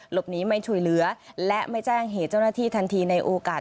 ไม่ช่วยเหลือและไม่แจ้งเหตุเจ้าหน้าที่ทันทีในโอกาส